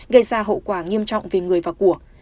gây ra hậu quả nghiêm trọng về người và của